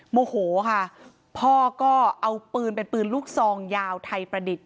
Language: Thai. โมโหค่ะพ่อก็เอาปืนเป็นปืนลูกซองยาวไทยประดิษฐ์